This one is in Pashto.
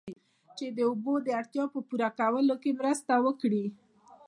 چې د اوبو د اړتیاوو پوره کولو کې مرسته وکړي